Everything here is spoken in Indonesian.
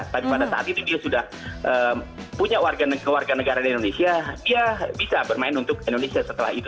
tapi pada saat itu dia sudah punya keluarga negara di indonesia dia bisa bermain untuk indonesia setelah itu